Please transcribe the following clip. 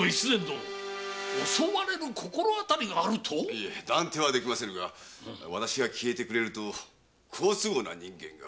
いえ断定はできませぬが私が消えてくれると好都合な人間が。